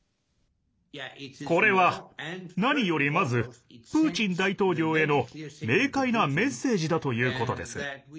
これは、何よりまずプーチン大統領への明快なメッセージだということです。